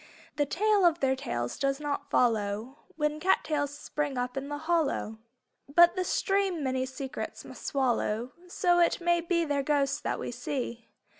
The tale of their tails does not follow When cat tails spring up in the hollow. But the stream many secrets must swallow So it may be their ghosts that we see.